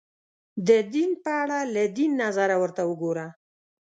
د دین په اړه له دین نظره ورته وګورو